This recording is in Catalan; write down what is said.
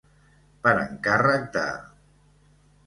Per encàrrec de.